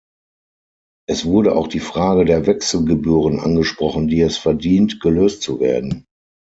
Es wurde auch die Frage der Wechselgebühren angesprochen, die es verdient, gelöst zu werden.